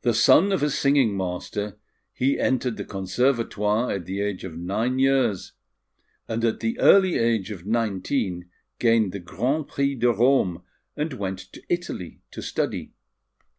The son of a singing master, he entered the Conservatoire at the age of nine years; and at the early age of nineteen gained the Grand Prix de Rome, and went to Italy to study.